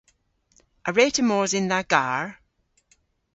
A wre'ta mos yn dha garr?